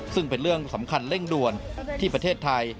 ซึ่งเป็นเรื่องสำคัญเร่งด่วนที่ประเทศไทย